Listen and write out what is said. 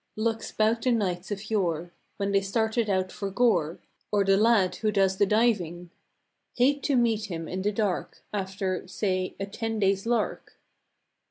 Looks 'bout like the knights of yore When they started out for gore; Or the lad who does the diving. Hate to meet him in the dark. After, say, a ten days' lark.